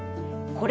これ。